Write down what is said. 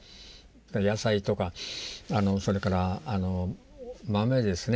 野菜とかそれから豆ですね。